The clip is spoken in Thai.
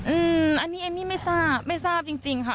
อืมอันนี้เอมมี่ไม่ทราบไม่ทราบจริงจริงค่ะ